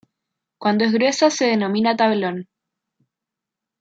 Cuando es gruesa se denomina tablón.